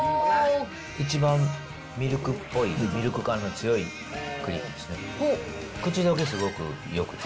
一番ミルクっぽい、ミルク感の強いクリームですね。